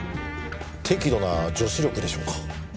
適度な女子力でしょうか。